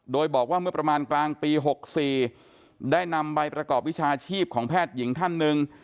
โดยบอกว่าเมื่อประมาณกลางปี๖๔ได้นำใบประกอบวิชาชีพของแพทย์หญิงท่านหนึ่ง